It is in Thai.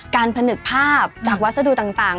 ผนึกภาพจากวัสดุต่าง